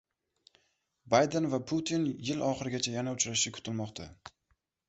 Bayden va Putin yil oxirigacha yana uchrashishi kutilmoqda